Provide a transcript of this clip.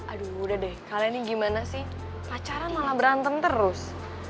aduh udah deh kalian nih gimana sih pacaran malah berantem terus